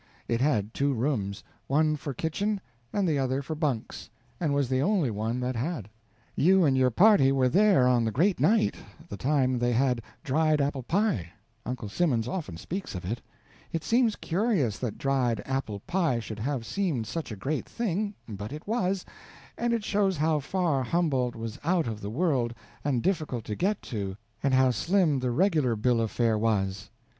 It had two rooms, one for kitchen and the other for bunks, and was the only one that had. You and your party were there on the great night, the time they had dried apple pie, Uncle Simmons often speaks of it. It seems curious that dried apple pie should have seemed such a great thing, but it was, and it shows how far Humboldt was out of the world and difficult to get to, and how slim the regular bill of fare was.